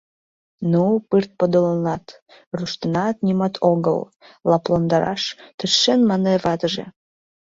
— Ну, пырт подылынат, руштынат — нимат огыл, — лыпландараш тыршен мане ватыже.